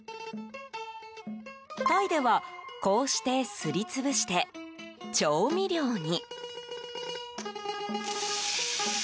タイでは、こうしてすり潰して調味料に。